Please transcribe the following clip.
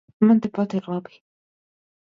Man tepat ir labi.